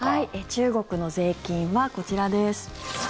中国の税金はこちらです。